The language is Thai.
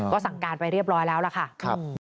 ก็สั่งการไปเรียบร้อยแล้วล่ะค่ะ